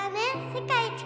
世界一